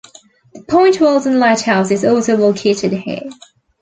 The Point Wilson Lighthouse is also located here.